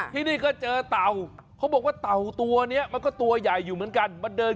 ที่นี่ก็เจอเต่าเขาบอกว่าเต่าตัวนี้คือตัวใหญ่อยู่เหมือนกัน